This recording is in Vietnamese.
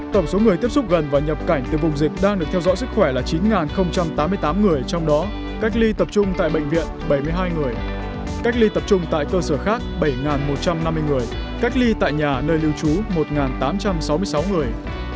tổng số người tiếp xúc gần và nhập cảnh từ vùng dịch đang được theo dõi sức khỏe là chín tám mươi tám người trong đó cách ly tập trung tại bệnh viện bảy mươi hai người cách ly tập trung tại cơ sở khác bảy một trăm năm mươi người cách ly tại nhà nơi lưu trú một tám trăm sáu mươi sáu người